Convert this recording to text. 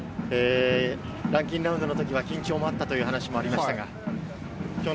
ランキングラウンドの時には緊張もあったという話しもありました。